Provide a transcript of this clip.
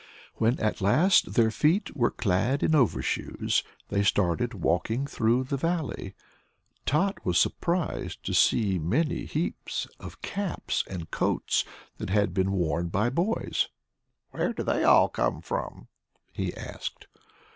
When at last their feet were clad in lost overshoes they started to walk through the Valley, and Tot was surprised to see so many heaps of caps and coats that had been worn by boys. "Where do they all come from?" he asked.